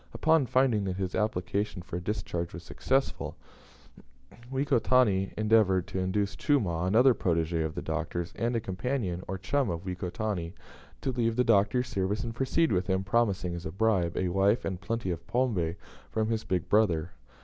Upon finding that his application for a discharge was successful, Wekotani endeavoured to induce Chumah, another protege of the Doctor's, and a companion, or chum, of Wekotani, to leave the Doctor's service and proceed with him, promising, as a bribe, a wife and plenty of pombe from his "big brother."